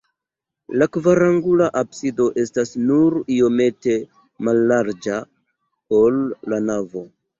La kvarangula absido estas nur iomete mallarĝa, ol la navo.